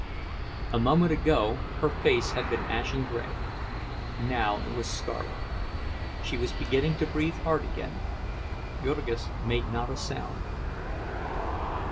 A moment ago her face had been ashen gray, now it was scarlet. She was beginning to breathe hard again. Jurgis made not a sound.